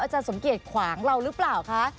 อาจารย์สมเกตขวางเรารึเปล่าคะ